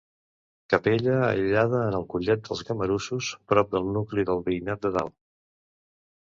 Capella aïllada en el Collet dels Gamarussos, prop del nucli del Veïnat de Dalt.